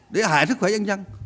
để hại sức khỏe dân dân